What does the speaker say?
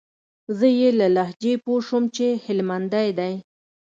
زه يې له لهجې پوه سوم چې هلمندى دى.